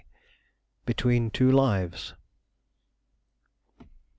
BETWEEN TWO LIVES.